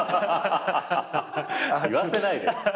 言わせないで。